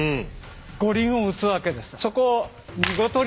五輪を打つわけです。